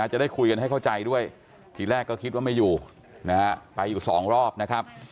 จะได้คุยกันให้เข้าใจด้วยทีแรกก็คิดว่าไม่อยู่นะฮะไปอยู่สองรอบนะครับ